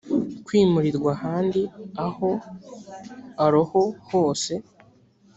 kwimurirwa ahandi aho aroho hose